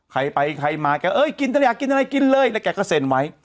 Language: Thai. ใครไปใครมาแกเอ้ยกินแต่อยากกินอะไรกินเลยแล้วแกก็เซ็นไว้